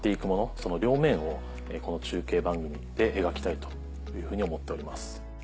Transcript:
その両面をこの中継番組で描きたいというふうに思っております。